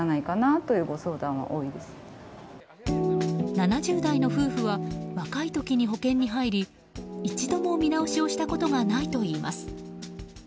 ７０代の夫婦は若い時に保険に入り一度も見直しをしたことがないといいます。